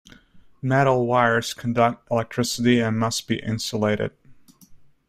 Metal wires conduct electricity and must be insulated.